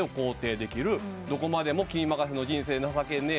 「どこまでも君任せの人生で情けねえな」